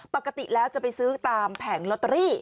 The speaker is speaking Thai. ปกติแล้วจะไปซื้อตามแผงลอตเตอรี่